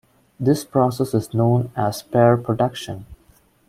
This process is known as pair production.